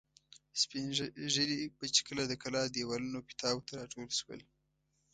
سپین ږیري به چې کله د کلا دېوالونو پیتاوو ته را ټول شول.